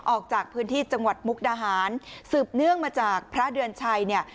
ออกจากพื้นที่จังหวัดมุกดาหารสืบเนื่องมาจากพระเดือนชัยเนี่ย